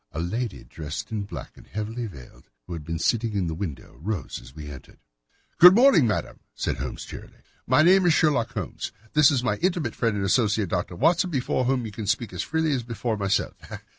A lady dressed in black and heavily veiled, who had been sitting in the window, rose as we entered. "Good morning, madam," said Holmes cheerily. "My name is Sherlock Holmes. This is my intimate friend and associate, Dr. Watson, before whom you can speak as freely as before myself.